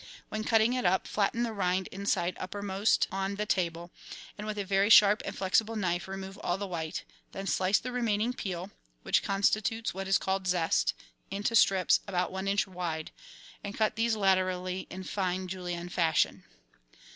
When cutting it up, flatten the rind inside uppermost on the table, and, with a very sharp and flexible knife, remove all the white; then slice the remaining peel (which constitutes what is called zest) into strips about one inch wide, and cut these laterally in fine julienne fashion.